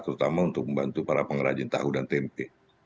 terutama untuk membantu para pengrajin tahu dan tempe